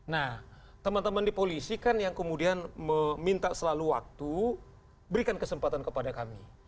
nah teman teman di polisi kan yang kemudian meminta selalu waktu berikan kesempatan kepada kami